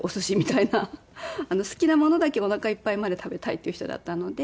好きなものだけおなかいっぱいまで食べたいっていう人だったので。